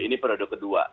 ini periode kedua